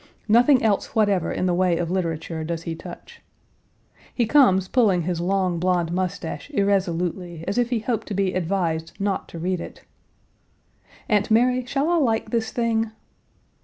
Nothing else whatever in the way of literature does he touch. He comes pulling his long blond mustache irresolutely as if he hoped to be advised not to read it "Aunt Mary, shall I like this thing?"